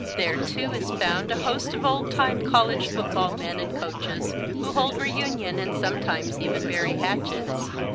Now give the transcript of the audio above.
There too, is found a host of old time college football men and coaches who hold reunion and sometimes even bury hatchets.